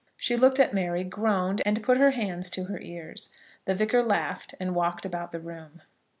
She looked at Mary, groaned, and put her hands to her ears. The Vicar laughed, and walked about the room.